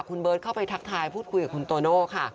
คุณเบิร์ตเข้าไปทักทายพูดคุยกับคุณโตโน่ค่ะ